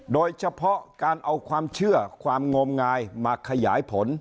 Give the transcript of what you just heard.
โดยเฉพาะการเอาความเชื่อความงมงายมาขยายผล